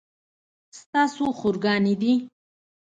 ستا څو خور ګانې دي